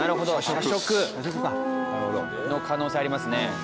社食の可能性ありますね。